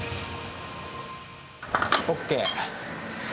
ＯＫ。